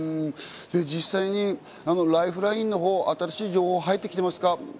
実際にライフラインのほう、新しい情報は入ってきていますか？